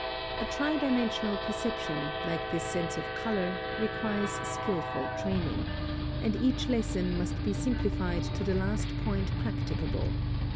A tri dimensional perception, like this sense of color, requires skilful training, and each lesson must be simplified to the last point practicable.